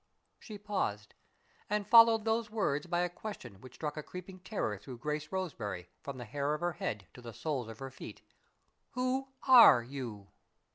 '" She paused, and followed those words by a question which struck a creeping terror through Grace Roseberry, from the hair of her head to the soles of her feet: "_Who are you?